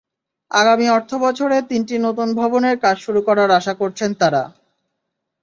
আগামী অর্থবছরে তিনটি নতুন ভবনের কাজ শুরু করার আশা করছেন তাঁরা।